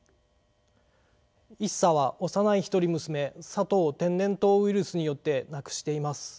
一茶は幼い一人娘さとを天然痘ウイルスによって亡くしています。